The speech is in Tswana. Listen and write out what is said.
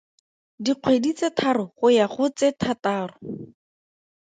Dikgwedi tse tharo go ya go tse thataro.